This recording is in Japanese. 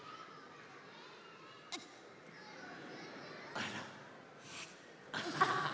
あら。